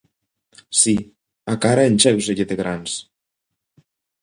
Si, a cara enchéuselle de grans"